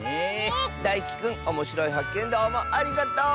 だいきくんおもしろいはっけんどうもありがとう！